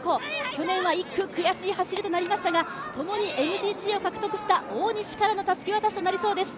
去年は１区、悔しい走りとなりましたが、共にＭＧＣを獲得した大西からのたすき渡しとなりそうです。